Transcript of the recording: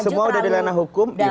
semua udah di ranah hukum